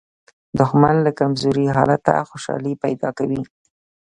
دښمن له کمزوري حالته خوشالي پیدا کوي